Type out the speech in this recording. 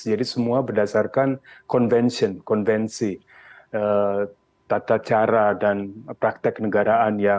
jadi semua berdasarkan konvensi tata cara dan praktek negaraan